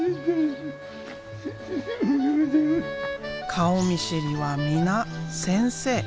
顔見知りは皆先生。